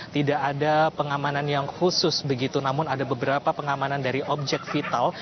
tidak ada pengamanan yang khusus begitu namun ada beberapa pengamanan dari objek vital